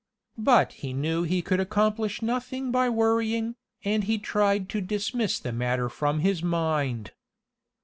But he knew he could accomplish nothing by worrying, and he tried to dismiss the matter from his mind.